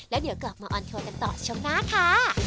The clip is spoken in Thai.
แล้วเดี๋ยวกลับมาออนทัวร์กันต่อช่วงหน้าค่ะ